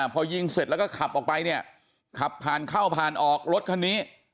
พอยิงเสร็จแล้วก็ขับออกไปเนี่ยขับผ่านเข้าผ่านออกรถคันนี้